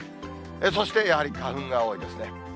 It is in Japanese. そしてやはり花粉が多いですね。